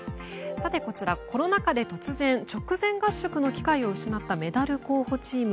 さて、こちらコロナ禍で突然、直前合宿の機会を失ったメダル候補チーム。